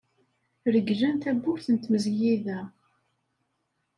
Reglen tawwurt n tmezgida.